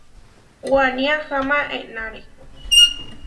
Waní aháma enáre.